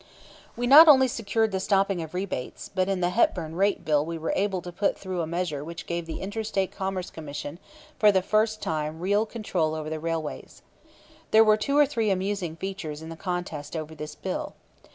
We not only secured the stopping of rebates, but in the Hepburn Rate Bill we were able to put through a measure which gave the Inter State Commerce Commission for the first time real control over the railways. There were two or three amusing features in the contest over this bill.